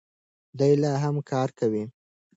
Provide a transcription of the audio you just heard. دی لا هم کار کوي.